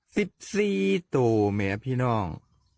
สิบสี่ตัวแหมพี่น้อง